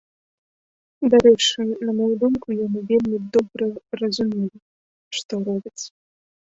Дарэчы, на маю думку, яны вельмі добра разумелі, што робяць.